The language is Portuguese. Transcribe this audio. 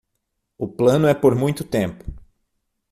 O plano é por muito tempo